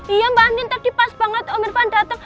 iya mbak andin tadi pas banget om irfan dateng